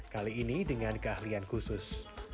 kali ini dengan keahlian khusus